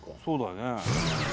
そうだよね。